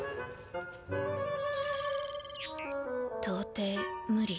到底無理。